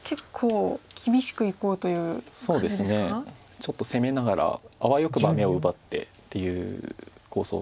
ちょっと攻めながらあわよくば眼を奪ってっていう構想だと思います。